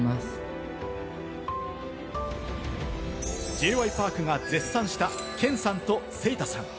Ｊ．Ｙ．Ｐａｒｋが絶賛したケンさんとセイタさん。